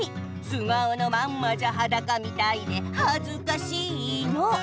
「素顔のままじゃはだかみたいではずかしいの！」